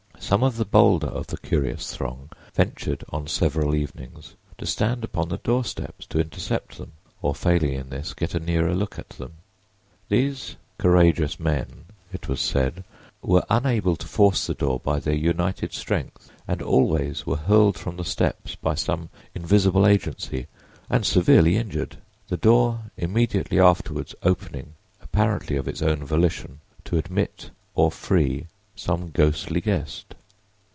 Some of the bolder of the curious throng ventured on several evenings to stand upon the doorsteps to intercept them, or failing in this, get a nearer look at them. These courageous men, it was said, were unable to force the door by their united strength, and always were hurled from the steps by some invisible agency and severely injured; the door immediately afterward opening, apparently of its own volition, to admit or free some ghostly guest.